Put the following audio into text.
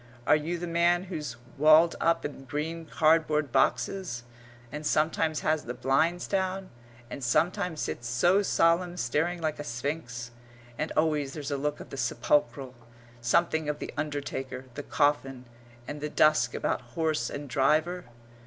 Are you the man who's walled up in green cardboard boxes, and sometimes has the blinds down, and sometimes sits so solemn staring like a sphinx, and always there's a look of the sepulchral, something of the undertaker, the coffin, and the dusk about horse and driver?